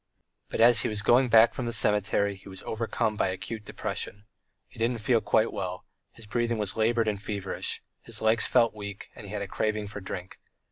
But as he was going back from the cemetery he was overcome by acute depression. He didn't feel quite well: his breathing was laboured and feverish, his legs felt weak, and he had a craving for drink.